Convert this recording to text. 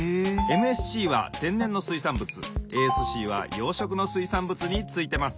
・ＭＳＣは天然の水産物ＡＳＣは養殖の水産物についてます。